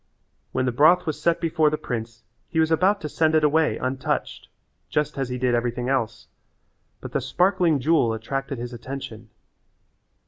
When the broth was set before the prince he was about to send it away untouched, just as he did everything else, but the sparkling jewel attracted his attention.